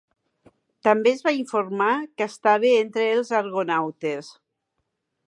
També es va informar que estava entre els argonautes.